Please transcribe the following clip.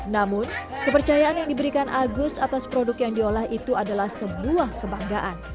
namun kepercayaan yang diberikan agus atas produk yang diolah itu adalah sebuah kebanggaan